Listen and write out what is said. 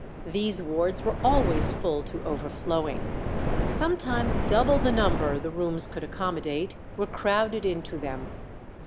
These wards were always full to overflowing; sometimes double the number the rooms could accommodate were crowded into them.